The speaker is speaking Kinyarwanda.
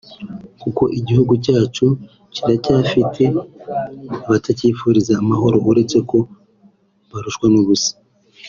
kuko igihugu cyacu kiracyafite abatakifuriza amahoro uretse ko barushywa n’ubusa